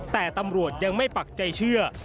แต่ตำรวจยังไม่ปักใจเชื่อ